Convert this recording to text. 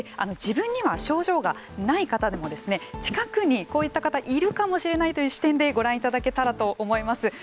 自分には症状がない方でも近くにこういった方いるかもしれないという視点でご覧いただけたらと思います。